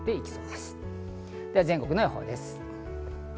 では全国の予報です。